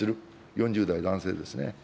４０代男性ですね。